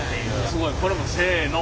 すごい。これもせの。